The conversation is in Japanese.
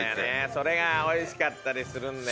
それがおいしかったりするんだよね。